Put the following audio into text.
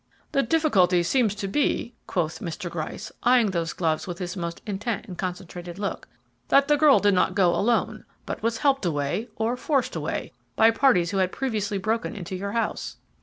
"The difficulty seems to be," quoth Mr. Gryce eyeing those gloves with his most intent and concentrated look, "that the girl did not go alone, but was helped away, or forced away, by parties who had previously broken into your house."